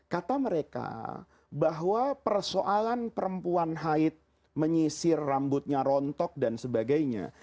kata mereka bahwa persoalan perempuan haid menyisir rambutnya rontok dan sebagainya